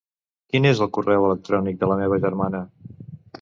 Quin és el correu electrònic de la meva germana?